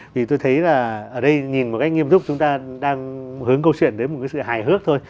vì tôi thấy là ở đây nhìn một cách nghiêm túc chúng ta đang hướng câu chuyện đấy một cái sự hài hước thôi